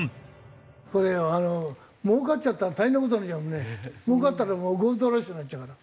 これあのもうかっちゃったら大変な事になるね。もうかったらもうゴールドラッシュになっちゃうから。